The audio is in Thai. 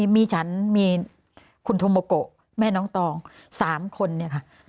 มีฉันมีคุณโทโมโกะแม่น้องตอง๓คนเนี่ยค่ะ